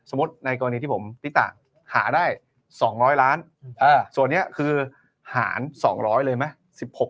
ในกรณีที่ผมพี่ตะหาได้๒๐๐ล้านส่วนนี้คือหาร๒๐๐เลยไหม